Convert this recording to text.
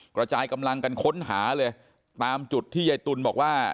กระจายกำลังกันค้นหาเลยตามจุดที่ยายตุ๋นบอกว่า